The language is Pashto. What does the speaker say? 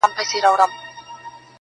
ستا د يادونو فلسفې ليكلي.